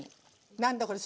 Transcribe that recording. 何だこれ。